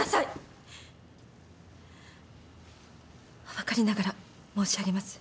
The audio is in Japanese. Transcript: はばかりながら申し上げます。